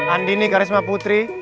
andini karisma putri